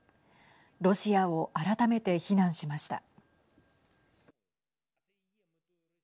ロシアを改めて非難しました。